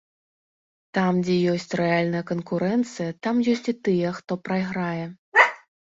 Там, дзе ёсць рэальная канкурэнцыя, там ёсць і тыя, хто прайграе.